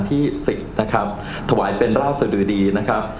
ที่สิบนะครับถวายเป็นราชดื้อดีนะครับ